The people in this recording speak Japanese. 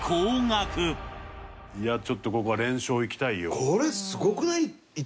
ちょっとここは連勝いきたいよ。